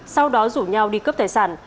sau đó rủ nhau đi cướp tài sản